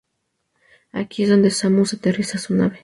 Aquí es donde Samus aterriza su nave.